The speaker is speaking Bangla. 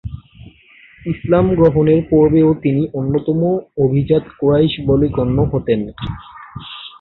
ইসলাম গ্রহণের পূর্বেও তিনি অন্যতম অভিজাত কুরাইশ বলে গণ্য হতেন।